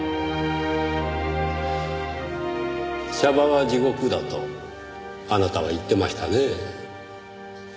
娑婆は地獄だとあなたは言っていましたねぇ。